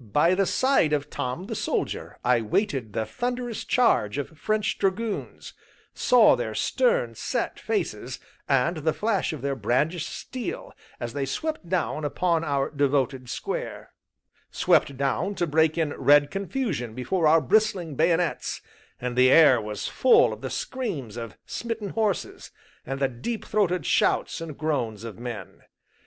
By the side of Tom the Soldier I waited the thunderous charge of French Dragoons, saw their stern, set faces, and the flash of their brandished steel as they swept down upon our devoted square, swept down to break in red confusion before our bristling bayonets; and the air was full of the screams of smitten horses, and the deep throated shouts and groans of men.